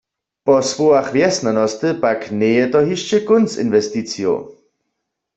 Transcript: Po słowach wjesnjanosty pak njeje to hišće kónc inwesticijow.